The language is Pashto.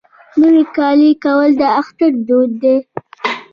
نوی کالی کول د اختر دود دی.